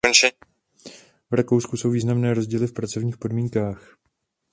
V Rakousku jsou významné rozdíly v pracovních podmínkách.